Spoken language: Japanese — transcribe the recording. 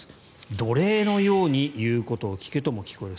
奴隷のように言うことを聞けとも聞こえる。